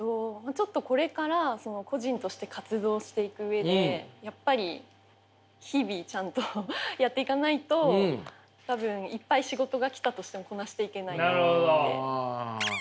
ちょっとこれから個人として活動をしていく上でやっぱり日々ちゃんとやっていかないと多分いっぱい仕事が来たとしてもこなしていけないと思って。